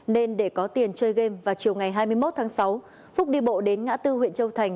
nên để có tiền chơi game vào chiều ngày hai mươi một tháng sáu phúc đi bộ đến ngã tư huyện châu thành